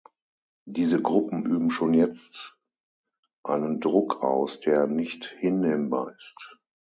Diese Gruppen üben schon jetzt einen Druck aus, der nicht hinnehmbar ist.